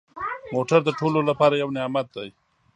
موټر د ټولو لپاره یو نعمت دی.